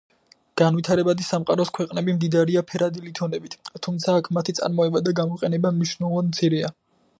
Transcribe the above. განვითარებადი სამყაროს ქვეყნები მდიდარია ფერადი ლითონებით, თუმცა, აქ მათი წარმოება და გამოყენება მნიშვნელოვნად მცირეა.